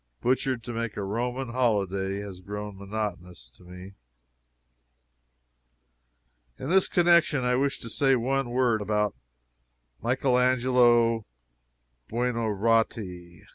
"Butchered to make a Roman holyday" has grown monotonous to me. In this connection I wish to say one word about Michael Angelo Buonarotti.